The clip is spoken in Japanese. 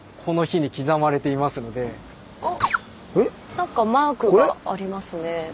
なんかマークがありますね。